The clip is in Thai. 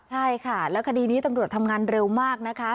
ใช่ค่ะแล้วคดีนี้ตำรวจทำงานเร็วมากนะคะ